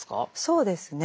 そうですね。